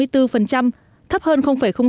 thấp hơn sáu